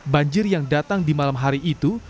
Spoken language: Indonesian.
banjir yang datang di malam hari itu